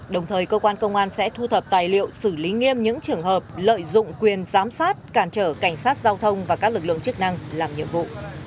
đồng thời cơ quan công an sẽ thu thập tài liệu xử lý nghiêm những trường hợp lợi dụng quyền giám sát cản trở cảnh sát giao thông và các lực lượng chức năng làm nhiệm vụ